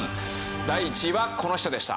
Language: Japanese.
第１位はこの人でした。